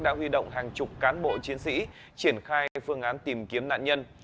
đã huy động hàng chục cán bộ chiến sĩ triển khai phương án tìm kiếm nạn nhân